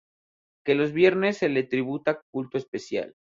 Que los viernes se le tributa culto especial.